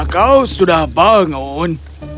kau sudah bangun